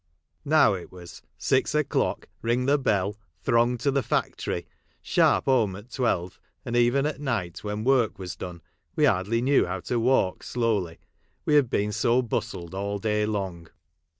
Now it was — six o'clock, ring the bell, throng to the factory ; sharp home at twelve ; and even at night, when work was done, we hardly k new how to walk slowly, we had been so bustled all day long.